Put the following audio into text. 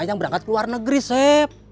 yang berangkat ke luar negeri sep